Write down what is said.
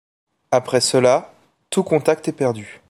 Après cela, tout contact est perdu.